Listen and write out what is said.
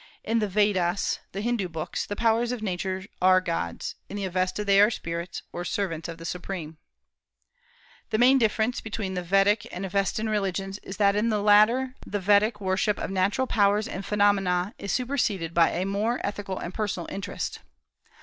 In the Vedas the Hindu books the powers of Nature are gods; in the Avesta they are spirits, or servants of the Supreme. "The main difference between the Vedic and Avestan religions is that in the latter the Vedic worship of natural powers and phenomena is superseded by a more ethical and personal interest.